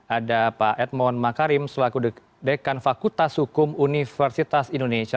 ada pak edmond makarim selaku dekan fakultas hukum universitas indonesia